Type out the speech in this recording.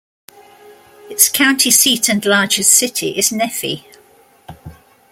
Its county seat and largest city is Nephi.